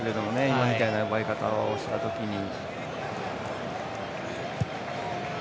今みたいな奪い方をした時に。